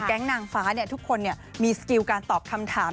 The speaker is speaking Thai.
นางฟ้าทุกคนมีสกิลการตอบคำถาม